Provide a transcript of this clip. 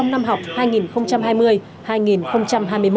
năm học hai nghìn hai mươi hai nghìn hai mươi một